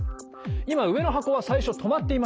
今上の箱は最初止まっていました。